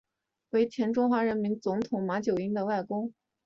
为前中华民国总统马英九的外公。